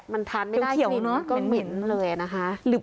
มันทานไม่ได้กลิ่นก็เหมียนเลยนะคะ